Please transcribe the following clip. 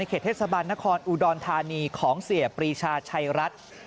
เขตเทศบาลนครอุดรธานีของเสียปรีชาชัยรัฐ